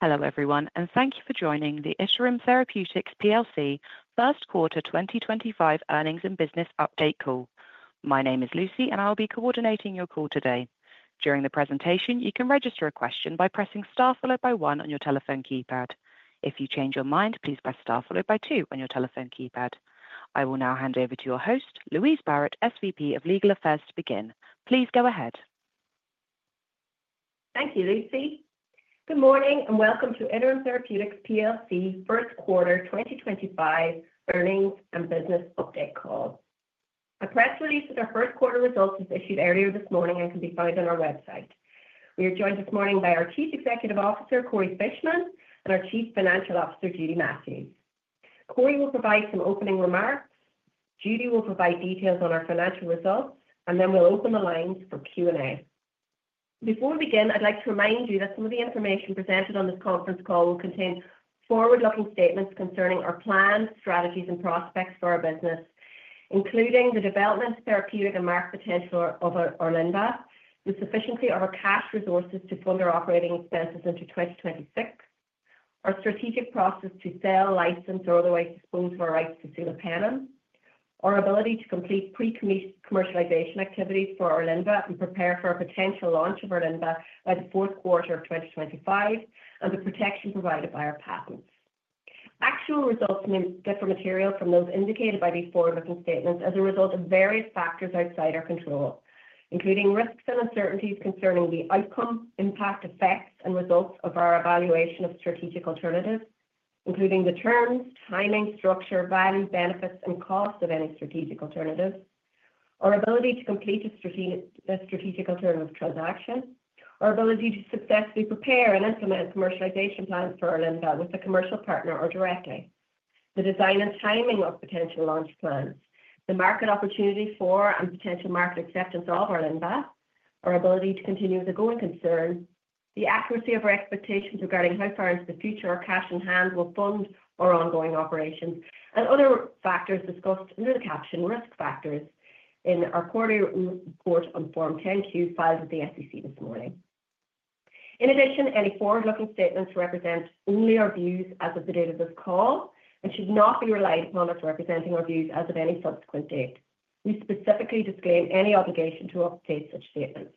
Hello everyone, and thank you for joining the Iterum Therapeutics First Quarter 2025 Earnings and Business Update Call. My name is Lucy, and I'll be coordinating your call today. During the presentation, you can register a question by pressing * followed by one on your telephone keypad. If you change your mind, please press * followed by two on your telephone keypad. I will now hand over to your host, Louise Barrett, SVP of Legal Affairs, to begin. Please go ahead. Thank you, Lucy. Good morning and welcome to Iterum Therapeutics first quarter 2025 earnings and business update call. A press release with our first quarter results was issued earlier this morning and can be found on our website. We are joined this morning by our Chief Executive Officer, Corey Fishman, and our Chief Financial Officer, Judy Matthews. Corey will provide some opening remarks, Judy will provide details on our financial results, and then we'll open the lines for Q&A. Before we begin, I'd like to remind you that some of the information presented on this conference call will contain forward-looking statements concerning our plan, strategies, and prospects for our business, including the development of therapeutic and market potential of Orlynvah, the sufficiency of our cash resources to fund our operating expenses into 2026, our strategic process to sell, license, or otherwise dispose of our rights to sulopenem, our ability to complete pre-commercialization activities for Orlynvah and prepare for a potential launch of Orlynvah by the fourth quarter of 2025, and the protection provided by our patents. Actual results differ from material from those indicated by these forward-looking statements as a result of various factors outside our control, including risks and uncertainties concerning the outcome, impact, effects, and results of our evaluation of strategic alternatives, including the terms, timing, structure, value, benefits, and cost of any strategic alternative, our ability to complete a strategic alternative transaction, our ability to successfully prepare and implement commercialization plans for Orlynvah with a commercial partner or directly, the design and timing of potential launch plans, the market opportunity for and potential market acceptance of Orlynvah, our ability to continue with the going concern, the accuracy of our expectations regarding how far into the future our cash in hand will fund our ongoing operations, and other factors discussed under the caption risk factors in our quarter report on Form 10Q filed with the SEC this morning. In addition, any forward-looking statements represent only our views as of the date of this call and should not be relied upon as representing our views as of any subsequent date. We specifically disclaim any obligation to update such statements.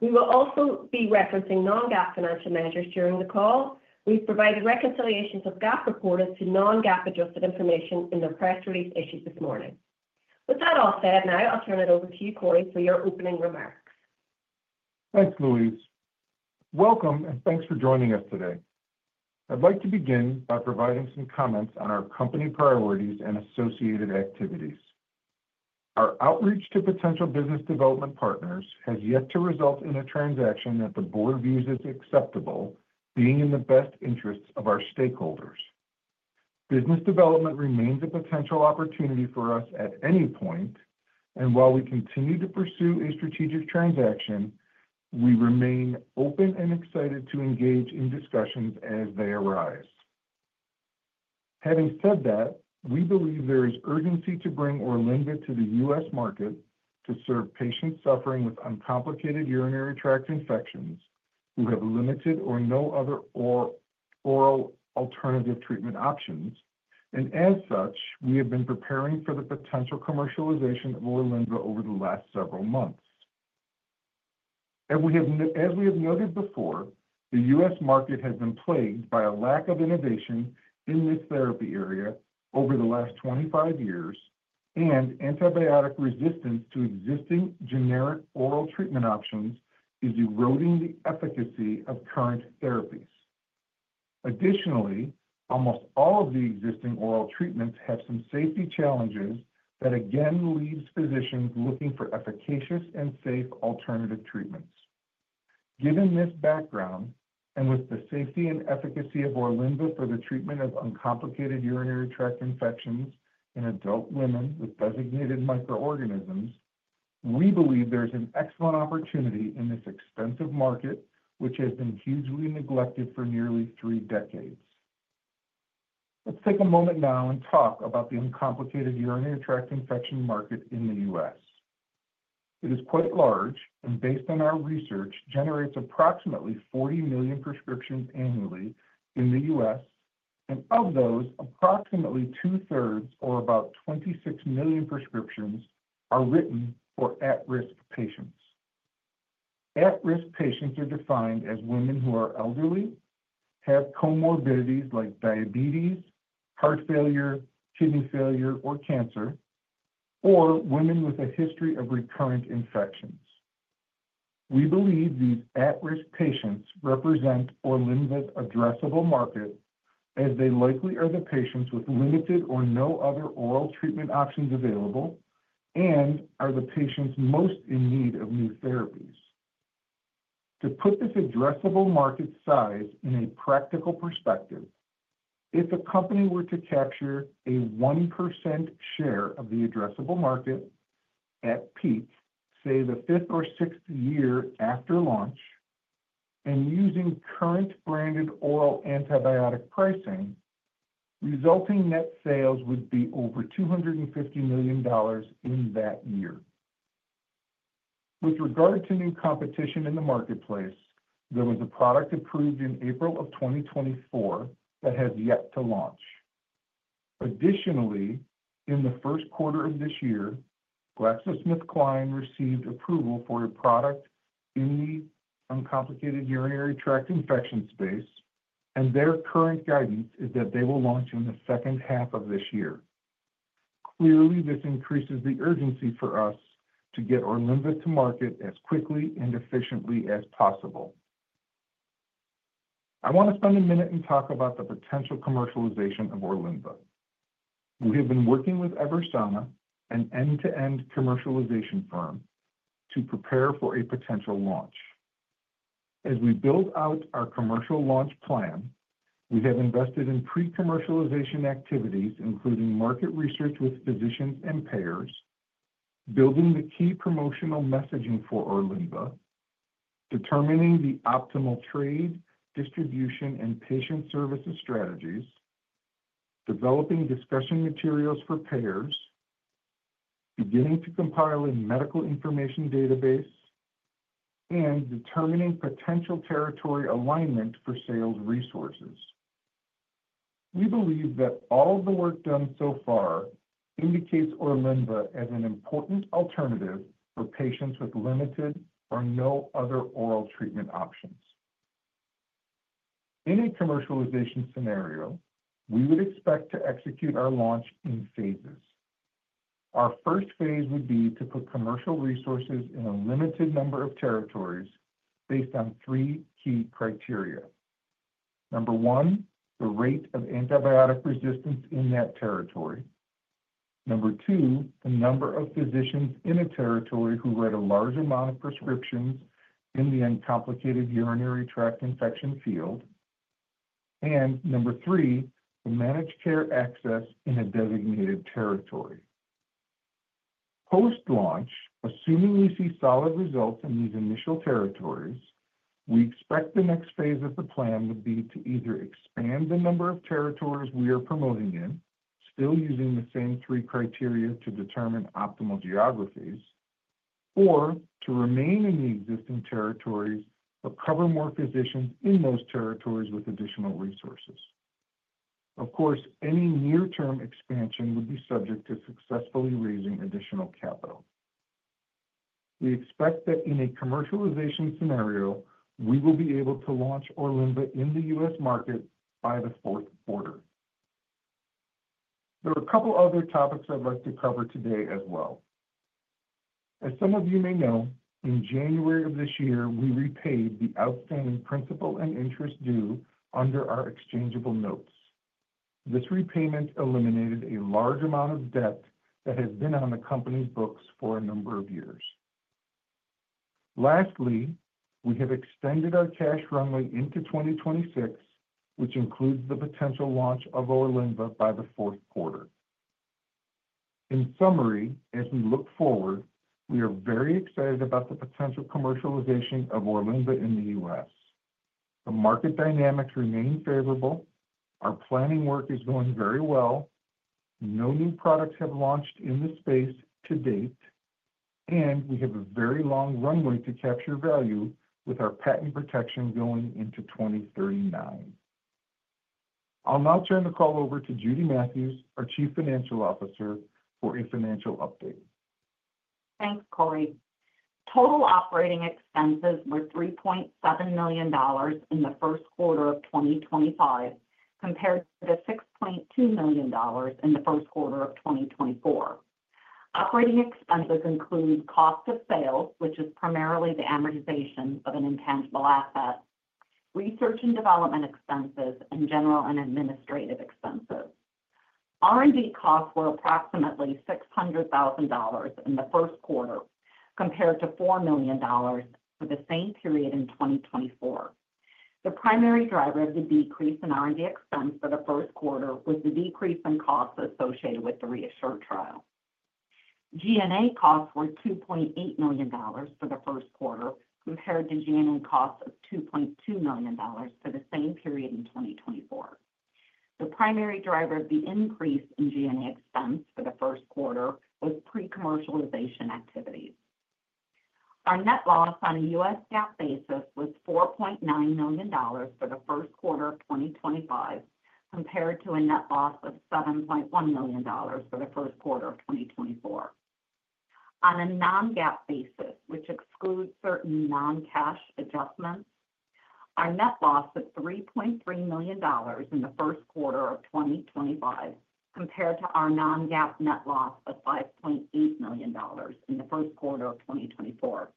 We will also be referencing non-GAAP financial measures during the call. We've provided reconciliations of GAAP reported to non-GAAP adjusted information in the press release issued this morning. With that all said, now I'll turn it over to you, Corey, for your opening remarks. Thanks, Louise. Welcome, and thanks for joining us today. I'd like to begin by providing some comments on our company priorities and associated activities. Our outreach to potential business development partners has yet to result in a transaction that the board views as acceptable, being in the best interests of our stakeholders. Business development remains a potential opportunity for us at any point, and while we continue to pursue a strategic transaction, we remain open and excited to engage in discussions as they arise. Having said that, we believe there is urgency to bring Orlynvah to the US market to serve patients suffering with uncomplicated urinary tract infections who have limited or no other oral alternative treatment options, and as such, we have been preparing for the potential commercialization of Orlynvah over the last several months. As we have noted before, the U.S. market has been plagued by a lack of innovation in this therapy area over the last 25 years, and antibiotic resistance to existing generic oral treatment options is eroding the efficacy of current therapies. Additionally, almost all of the existing oral treatments have some safety challenges that again leave physicians looking for efficacious and safe alternative treatments. Given this background and with the safety and efficacy of Orlynvah for the treatment of uncomplicated urinary tract infections in adult women with designated microorganisms, we believe there's an excellent opportunity in this expansive market, which has been hugely neglected for nearly three decades. Let's take a moment now and talk about the uncomplicated urinary tract infection market in the U.S. It is quite large and, based on our research, generates approximately 40 million prescriptions annually in the U.S., and of those, approximately two-thirds or about 26 million prescriptions are written for at-risk patients. At-risk patients are defined as women who are elderly, have comorbidities like diabetes, heart failure, kidney failure, or cancer, or women with a history of recurrent infections. We believe these at-risk patients represent Orlynvah's addressable market as they likely are the patients with limited or no other oral treatment options available and are the patients most in need of new therapies. To put this addressable market size in a practical perspective, if a company were to capture a 1% share of the addressable market at peak, say the fifth or sixth year after launch, and using current branded oral antibiotic pricing, resulting net sales would be over $250 million in that year. With regard to new competition in the marketplace, there was a product approved in April of 2024 that has yet to launch. Additionally, in the first quarter of this year, GlaxoSmithKline received approval for a product in the uncomplicated urinary tract infection space, and their current guidance is that they will launch in the second half of this year. Clearly, this increases the urgency for us to get Orlynvah to market as quickly and efficiently as possible. I want to spend a minute and talk about the potential commercialization of Orlynvah. We have been working with Eversana, an end-to-end commercialization firm, to prepare for a potential launch. As we build out our commercial launch plan, we have invested in pre-commercialization activities, including market research with physicians and payers, building the key promotional messaging for Orlynvah, determining the optimal trade, distribution, and patient services strategies, developing discussion materials for payers, beginning to compile a medical information database, and determining potential territory alignment for sales resources. We believe that all of the work done so far indicates Orlynvah as an important alternative for patients with limited or no other oral treatment options. In a commercialization scenario, we would expect to execute our launch in phases. Our first phase would be to put commercial resources in a limited number of territories based on three key criteria. Number one, the rate of antibiotic resistance in that territory. Number two, the number of physicians in a territory who read a large amount of prescriptions in the uncomplicated urinary tract infection field. Number three, the managed care access in a designated territory. Post-launch, assuming we see solid results in these initial territories, we expect the next phase of the plan would be to either expand the number of territories we are promoting in, still using the same three criteria to determine optimal geographies, or to remain in the existing territories but cover more physicians in those territories with additional resources. Of course, any near-term expansion would be subject to successfully raising additional capital. We expect that in a commercialization scenario, we will be able to launch Orlynvah in the U.S. market by the fourth quarter. There are a couple of other topics I'd like to cover today as well. As some of you may know, in January of this year, we repaid the outstanding principal and interest due under our exchangeable notes. This repayment eliminated a large amount of debt that has been on the company's books for a number of years. Lastly, we have extended our cash runway into 2026, which includes the potential launch of Orlynvah by the fourth quarter. In summary, as we look forward, we are very excited about the potential commercialization of Orlynvah in the U.S. The market dynamics remain favorable, our planning work is going very well, no new products have launched in the space to date, and we have a very long runway to capture value with our patent protection going into 2039. I'll now turn the call over to Judy Matthews, our Chief Financial Officer, for a financial update. Thanks, Corey. Total operating expenses were $3.7 million in the first quarter of 2025 compared to $6.2 million in the first quarter of 2024. Operating expenses include cost of sales, which is primarily the amortization of an intangible asset, research and development expenses, and general and administrative expenses. R&D costs were approximately $600,000 in the first quarter compared to $4 million for the same period in 2024. The primary driver of the decrease in R&D expense for the first quarter was the decrease in costs associated with the REASSURE trial. G&A costs were $2.8 million for the first quarter compared to G&A costs of $2.2 million for the same period in 2024. The primary driver of the increase in G&A expense for the first quarter was pre-commercialization activities. Our net loss on a US GAAP basis was $4.9 million for the first quarter of 2025 compared to a net loss of $7.1 million for the first quarter of 2024. On a non-GAAP basis, which excludes certain non-cash adjustments, our net loss was $3.3 million in the first quarter of 2025 compared to our non-GAAP net loss of $5.8 million in the first quarter of 2024.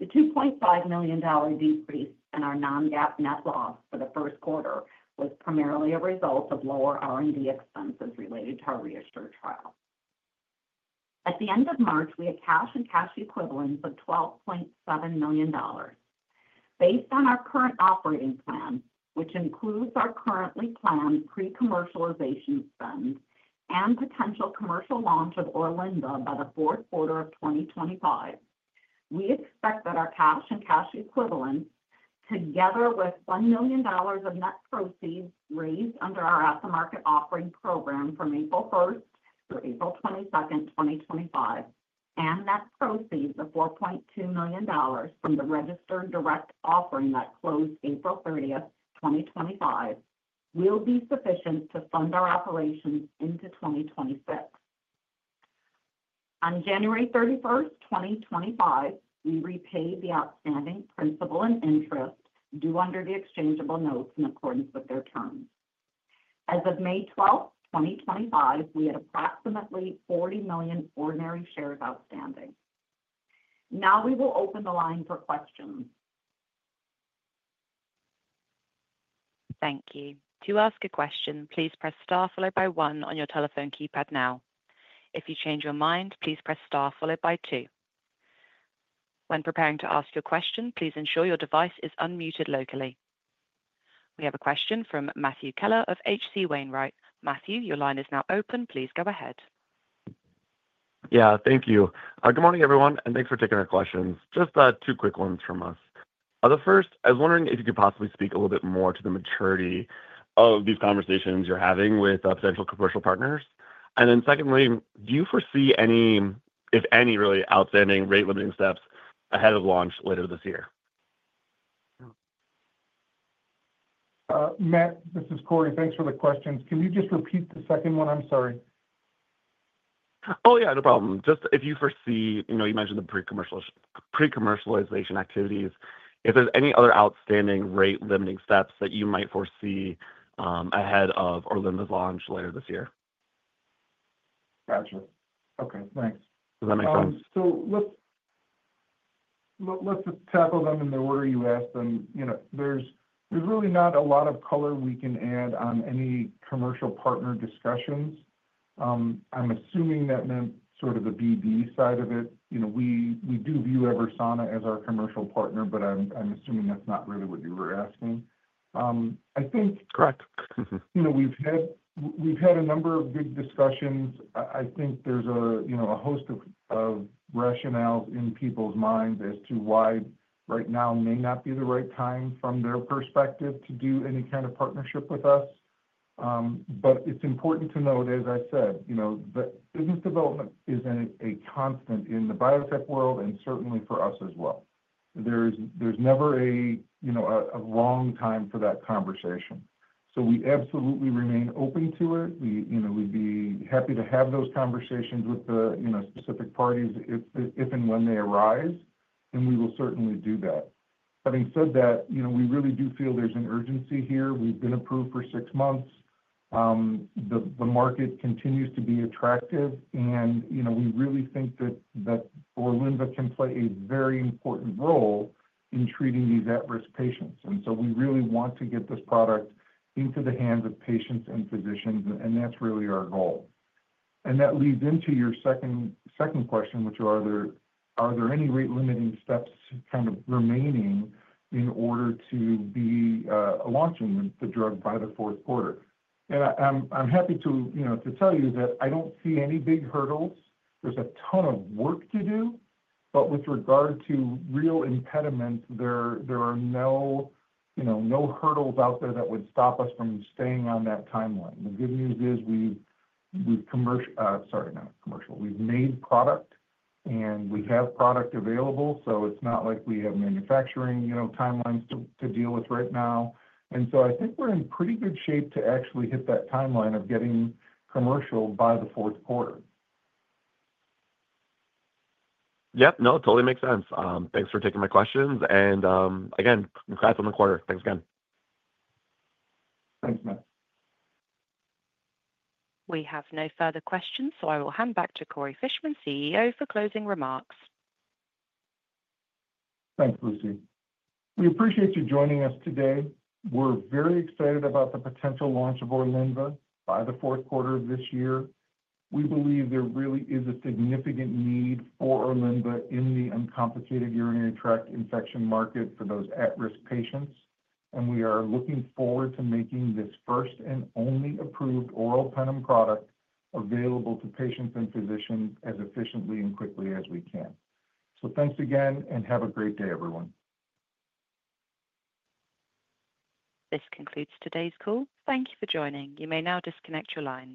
The $2.5 million decrease in our non-GAAP net loss for the first quarter was primarily a result of lower R&D expenses related to our REASSURE trial. At the end of March, we had cash and cash equivalents of $12.7 million. Based on our current operating plan, which includes our currently planned pre-commercialization spend and potential commercial launch of Orlynvah by the fourth quarter of 2025, we expect that our cash and cash equivalents, together with $1 million of net proceeds raised under our aftermarket offering program from April 1 through April 22, 2025, and net proceeds of $4.2 million from the registered direct offering that closed April 30, 2025, will be sufficient to fund our operations into 2026. On January 31, 2025, we repaid the outstanding principal and interest due under the exchangeable notes in accordance with their terms. As of May 12, 2025, we had approximately 40 million ordinary shares outstanding. Now we will open the line for questions. Thank you. To ask a question, please press * followed by one on your telephone keypad now. If you change your mind, please press * followed by two. When preparing to ask your question, please ensure your device is unmuted locally. We have a question from Matthew Keller of H.C. Wainwright. Matthew, your line is now open. Please go ahead. Yeah, thank you. Good morning, everyone, and thanks for taking our questions. Just two quick ones from us. The first, I was wondering if you could possibly speak a little bit more to the maturity of these conversations you're having with potential commercial partners. Then secondly, do you foresee any, if any, really outstanding rate limiting steps ahead of launch later this year? Matt, this is Corey. Thanks for the questions. Can you just repeat the second one? I'm sorry. Oh, yeah, no problem. Just if you foresee, you mentioned the pre-commercialization activities, if there's any other outstanding rate limiting steps that you might foresee ahead of Orlynvah's launch later this year. Gotcha. Okay, thanks. Does that make sense? Let's just tackle them in the order you asked them. There's really not a lot of color we can add on any commercial partner discussions. I'm assuming that meant sort of the BD side of it. We do view Eversana as our commercial partner, but I'm assuming that's not really what you were asking. I think. Correct. We've had a number of good discussions. I think there's a host of rationales in people's minds as to why right now may not be the right time from their perspective to do any kind of partnership with us. It is important to note, as I said, that business development is a constant in the biotech world and certainly for us as well. There's never a wrong time for that conversation. We absolutely remain open to it. We'd be happy to have those conversations with the specific parties if and when they arise, and we will certainly do that. Having said that, we really do feel there's an urgency here. We've been approved for six months. The market continues to be attractive, and we really think that Orlynvah can play a very important role in treating these at-risk patients. We really want to get this product into the hands of patients and physicians, and that's really our goal. That leads into your second question, which are, are there any rate limiting steps kind of remaining in order to be launching the drug by the fourth quarter? I'm happy to tell you that I don't see any big hurdles. There's a ton of work to do, but with regard to real impediments, there are no hurdles out there that would stop us from staying on that timeline. The good news is we've—sorry, not commercial. We've made product, and we have product available, so it's not like we have manufacturing timelines to deal with right now. I think we're in pretty good shape to actually hit that timeline of getting commercial by the fourth quarter. Yep, no, totally makes sense. Thanks for taking my questions. Again, congrats on the quarter. Thanks again. Thanks, Matt. We have no further questions, so I will hand back to Corey Fishman, CEO, for closing remarks. Thanks, Lucy. We appreciate you joining us today. We're very excited about the potential launch of Orlynvah by the fourth quarter of this year. We believe there really is a significant need for Orlynvah in the uncomplicated urinary tract infection market for those at-risk patients. We are looking forward to making this first and only approved oral penem product available to patients and physicians as efficiently and quickly as we can. Thanks again, and have a great day, everyone. This concludes today's call. Thank you for joining. You may now disconnect your lines.